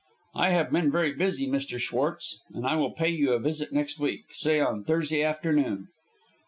"I have been very busy, Mr. Schwartz, but I will pay you a visit next week say on Thursday afternoon."